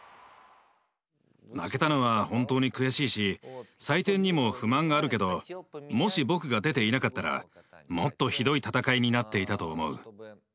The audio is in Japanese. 負けたのは本当に悔しいし採点にも不満があるけどもし僕が出ていなかったらもっとひどい戦いになっていたと思う。